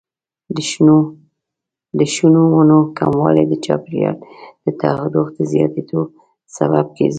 د شنو ونو کموالی د چاپیریال د تودوخې زیاتیدو سبب ګرځي.